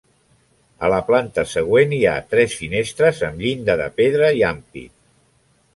A la planta següent, hi ha tres finestres amb llinda de pedra i ampit.